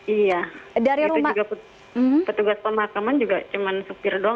iya petugas pemakaman juga cuma sepir doang